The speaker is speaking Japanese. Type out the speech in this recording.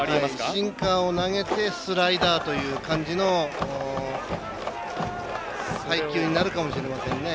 シンカーを投げてスライダーという感じの配球になるかもしれませんね。